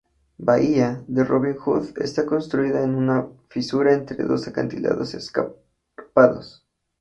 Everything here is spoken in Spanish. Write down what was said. Bahía de Robin Hood está construida en una fisura entre dos acantilados escarpados.